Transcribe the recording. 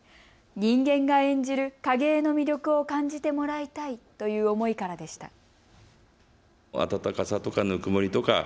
人間が演じる影絵の魅力を感じてもらいたいという思いからでした。